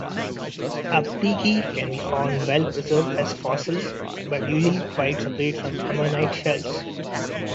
Aptychi can be found well-preserved as fossils, but usually quite separate from ammonite shells.